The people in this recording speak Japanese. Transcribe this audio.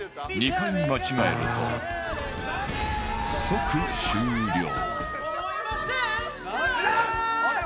２回間違えると即終了